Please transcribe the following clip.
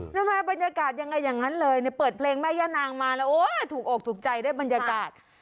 ใช่มั้ยบรรยากาศยังไงอย่างนั้นเลยเปิดเพลงแม่ย่านางมาแล้วถูกออกถูกใจได้บรรยากาศ